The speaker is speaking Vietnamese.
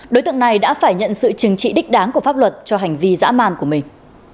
đối tượng này đã phải nhận sự trừng trị đích đáng của pháp luật cho hành vi dã man của mình